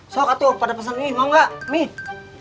sok aku pada pesen mie mau gak mie